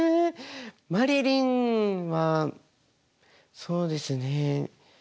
マリリンはそうですね。